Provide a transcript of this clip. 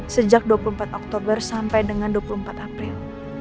sejak dua puluh empat oktober sampai dengan dua puluh empat april